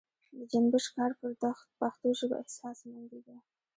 د جنبش کار پر پښتو ژبه احسانمندي ده.